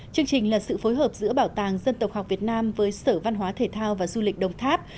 chương trình là sự phối hợp giữa bảo tàng dân tộc học việt nam với sở văn hóa thể thao và du lịch đồng tháp